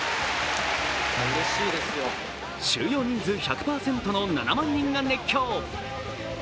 収容人数１００％の７万人が熱狂。